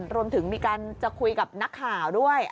รวมถึงมีการจะคุยกับนักข่าวด้วย